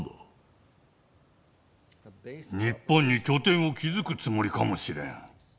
日本に拠点を築くつもりかもしれん。